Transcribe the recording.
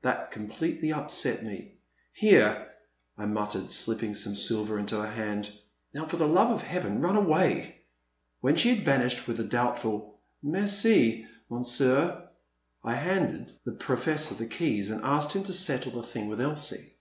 That completely upset me. Here/* I mut tered, slipping some silver into her hand, now for the love of Heaven run away !" When she had vanished with a doubtful Merci, Monsieur," I handed the Professor the keys and asked him to settle the thing with Elsie.